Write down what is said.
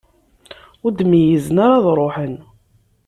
Ur d-meyyzen ara ad ruḥen.